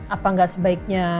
apa gak sebaiknya